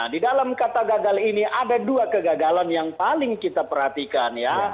di dalam kata gagal ini ada dua kegagalan yang paling kita perhatikan ya